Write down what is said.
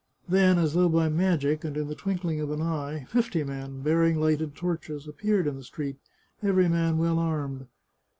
Then, as though by magic, and in the twinkling of an eye, fifty men, bearing lighted torches, appeared in the street, every man well armed.